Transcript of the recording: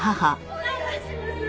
お願いします！